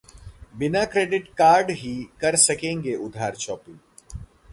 बिना credit card ही कर सकेंगे उधार शॉपिंग